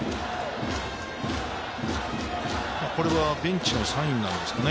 これはベンチのサインなんですかね？